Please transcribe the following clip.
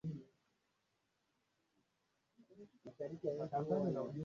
Kuwezesha mwanamke bila kuelimisha mwanaume ni bure